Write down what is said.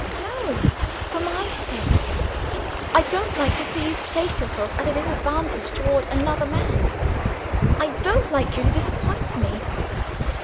"No for my sake. I don't like to see you place yourself at a disadvantage toward another man; I don't like you to disappoint me."